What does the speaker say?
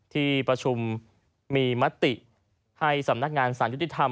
ที่ประชุมมีมติให้สำนักงานสารยุติธรรม